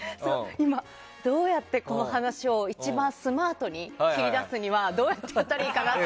今、どうやってこの話を一番スマートに切り出すにはどう言ったらいいかなって。